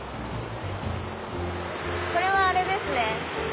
これはあれですね。